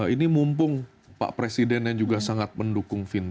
ini mumpung pak presiden yang juga sangat mendukung fintech